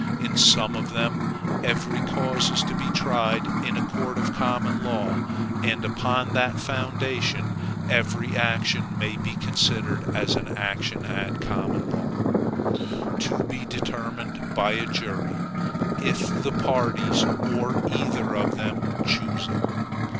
In some of them every cause is to be tried in a court of common law, and upon that foundation every action may be considered as an action at common law, to be determined by a jury, if the parties, or either of them, choose it.